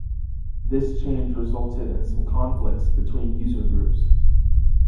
This change resulted in some conflict between user groups.